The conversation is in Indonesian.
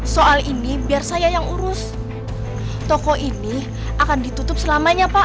soal ini biar saya yang urus toko ini akan ditutup selamanya pak